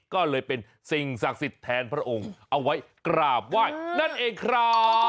ก็เลยเป็นสิ่งศักดิ์สิทธิ์แทนพระองค์เอาไว้กราบไหว้นั่นเองครับ